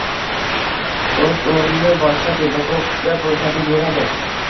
Oʻz oʻrnini boshqa pedagogga boʻshatib beradi